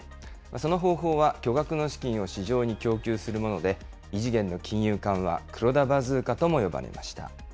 その方法は、巨額の資金を市場に供給するもので、異次元の金融緩和、黒田バズーカとも呼ばれました。